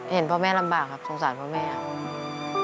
เห็นพ่อแม่ลำบากครับสงสารพ่อแม่ครับ